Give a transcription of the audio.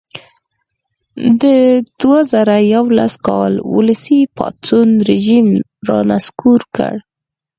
د دوه زره یوولس کال ولسي پاڅون رژیم را نسکور کړ.